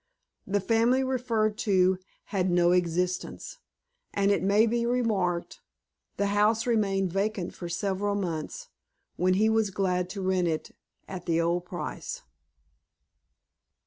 The family referred to had no existence; and, it may be remarked, the house remained vacant for several months, when he was glad to rent it at the old price.